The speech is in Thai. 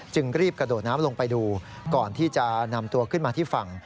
รีบกระโดดน้ำลงไปดูก่อนที่จะนำตัวขึ้นมาที่ฝั่ง